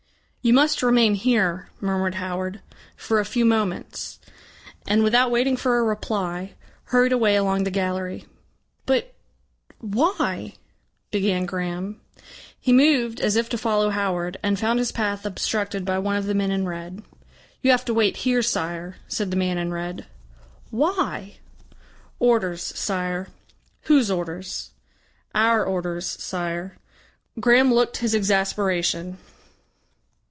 "You must remain here," murmured Howard, "for a few moments," and, without waiting for a reply, hurried away along the gallery. "But, why ?" began Graham. He moved as if to follow Howard, and found his path obstructed by one of the men in red. "You have to wait here, Sire," said the man in red. "Why?" "Orders, Sire." "Whose orders?" "Our orders, Sire." Graham looked his exasperation.